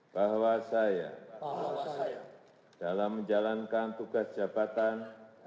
bahwa saya dalam menjalankan tugas jabatan